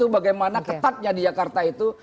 bagaimana ketatnya di jakarta itu